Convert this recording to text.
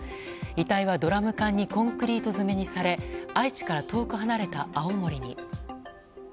遺体は、ドラム缶にコンクリート詰めにされ愛知から遠く離れた青森に。